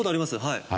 はい。